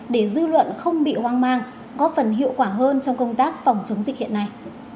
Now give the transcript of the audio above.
để dư luận không bị hoang mang có phần hiệu quả hơn trong công tác phòng chống dịch hiện nay